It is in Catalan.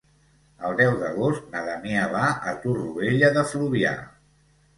El deu d'agost na Damià va a Torroella de Fluvià.